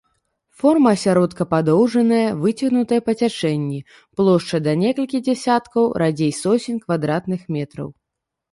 Форма асяродка падоўжаная, выцягнутая па цячэнні, плошча да некалькіх дзесяткаў, радзей соцень квадратных метраў.